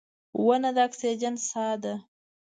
• ونه د اکسیجن ساه ده.